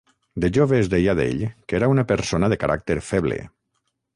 De jove es deia d'ell que era una persona de caràcter feble.